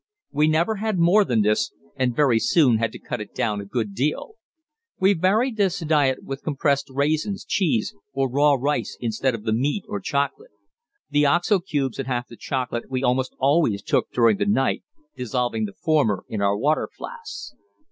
We never had more than this, and very soon had to cut it down a good deal. We varied this diet with compressed raisins, cheese, or raw rice instead of the meat or chocolate. The oxo cubes and half the chocolate we almost always took during the night, dissolving the former in our water flasks.